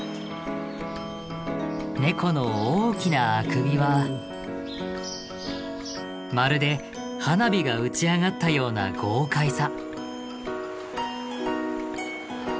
ネコの大きなあくびはまるで花火が打ち上がったような豪快さ。